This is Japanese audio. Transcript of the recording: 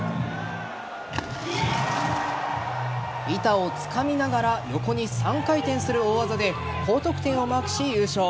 板をつかみながら横に３回転する大技で高得点をマークし、優勝。